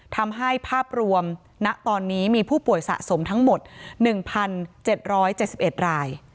ทำให้ภาพรวมณตอนนี้มีผู้ป่วยสะสมทั้งหมด๑๗๗๑ราย